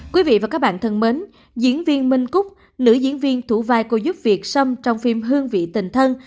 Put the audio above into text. quý vị và các bạn thân mến diễn viên minh cúc nữ diễn viên thủ vai cô giúp việt sâm trong phim hương vị tình thân